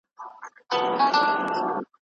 ښایي ډېرو ړندو سړيو په ګڼ ځای کي ږیري ولري.